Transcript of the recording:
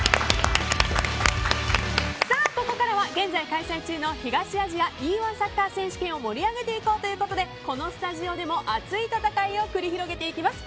ここからは現在開催中の東アジアＥ‐１サッカー選手権を盛り上げていこうということでこのスタジオでも熱い戦いを繰り広げていきます。